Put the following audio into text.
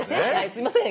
すいません